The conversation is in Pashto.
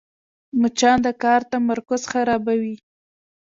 مچان د کار تمرکز خرابوي